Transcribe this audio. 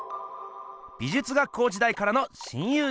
美術学校時代からの親友でした。